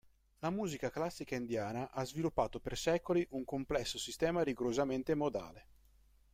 La musica classica indiana ha sviluppato per secoli un complesso sistema rigorosamente modale.